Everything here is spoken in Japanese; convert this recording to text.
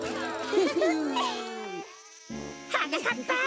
はなかっぱ！